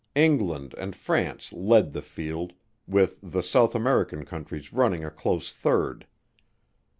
England and France led the field, with the South American countries running a close third.